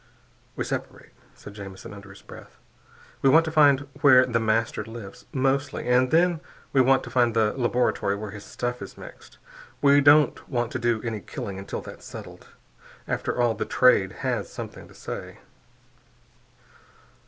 "We separate," said Jamison under his breath. "We want to find where The Master lives, mostly, and then we want to find the laboratory where his stuff is mixed. We don't want to do any killing until that's settled. After all, the Trade has something to say!"